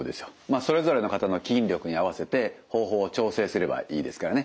それぞれの方の筋力に合わせて方法を調整すればいいですからね。